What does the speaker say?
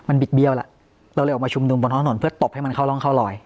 มันบิดเบี้ยวแล้วเราเลยออกมาชุมนุมบนท้องถนนเพื่อตบให้มันเข้าร่องเข้ารอย